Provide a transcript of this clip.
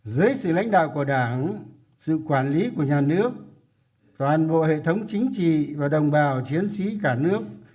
dưới sự lãnh đạo của đảng sự quản lý của nhà nước toàn bộ hệ thống chính trị và đồng bào chiến sĩ cả nước